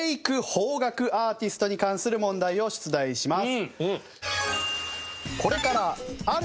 邦楽アーティストに関する問題を出題します。